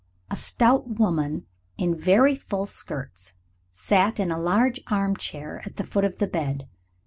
A stout woman in very full skirts sat in a large armchair at the foot of the bed.